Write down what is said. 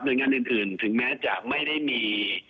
โดยงานอื่นถึงแม้จะไม่ได้มี